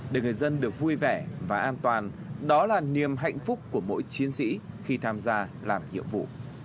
để người dân được vui vẻ và an toàn đó là niềm hạnh phúc của mỗi chiến sĩ khi tham gia làm nhiệm vụ